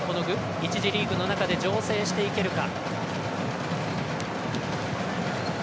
１次リーグの中で醸成していけるか。